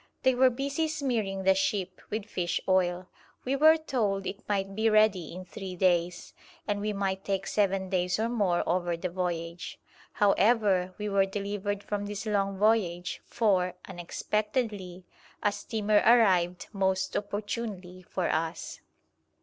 They were busy smearing the ship with fish oil. We were told it might be ready in three days, and we might take seven days or more over the voyage. However, we were delivered from this long voyage, for, unexpectedly, a steamer arrived most opportunely for us.